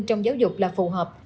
trong giáo dục là phù hợp